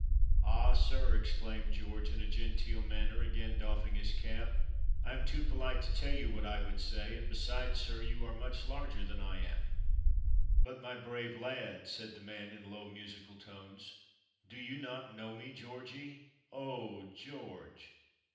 "Ah, sir," exclaimed George, in a genteel manner, again doffing his cap, "I am too polite to tell you what I would say, and beside, sir, you are much larger than I am." "But, my brave lad," said the man in low musical tones, "do you not know me, Georgie? Oh, George!"